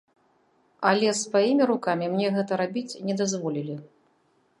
Але сваімі рукамі мне гэта рабіць не дазволілі.